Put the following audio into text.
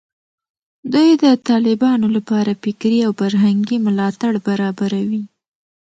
دوی د طالبانو لپاره فکري او فرهنګي ملاتړ برابروي